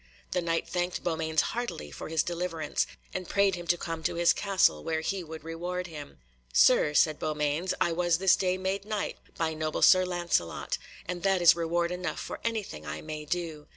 The Knight thanked Beaumains heartily for his deliverance, and prayed him to come to his castle, where he would reward him. "Sir," said Beaumains, "I was this day made Knight by noble Sir Lancelot, and that is reward enough for anything I may do.